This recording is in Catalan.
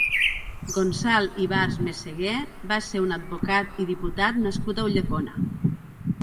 Gonçal Ibars Meseguer va ser un advocat i diputat nascut a Ulldecona.